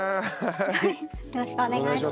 よろしくお願いします。